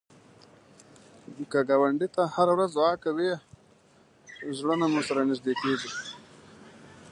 که ګاونډي ته هره ورځ دعا کوې، زړونه مو سره نږدې کېږي